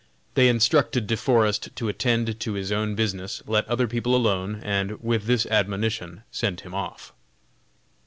They instructed De Forest to attend to his own business, let other people alone, and with this admonition sent him off.